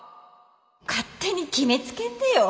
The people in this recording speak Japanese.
勝手に決めつけんでよ。